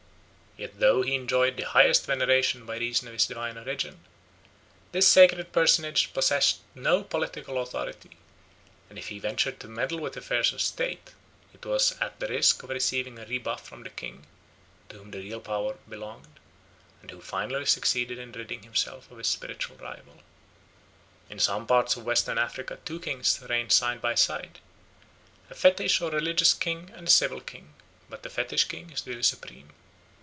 Yet though he enjoyed the highest veneration by reason of his divine origin, this sacred personage possessed no political authority, and if he ventured to meddle with affairs of state it was at the risk of receiving a rebuff from the king, to whom the real power belonged, and who finally succeeded in ridding himself of his spiritual rival. In some parts of Western Africa two kings reign side by side, a fetish or religious king and a civil king, but the fetish king is really supreme.